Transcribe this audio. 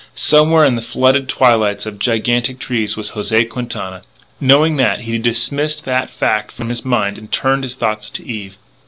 Somewhere in this flooded twilight of gigantic trees was José Quintana. Knowing that, he dismissed that fact from his mind and turned his thoughts to Eve.